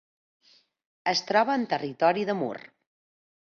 Es troba en territori de Mur.